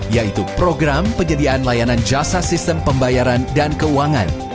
yaitu program penyediaan layanan jasa sistem pembayaran dan keuangan